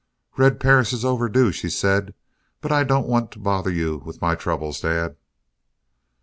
"Red Perris is overdue," she said. "But I don't want to bother you with my troubles, Dad."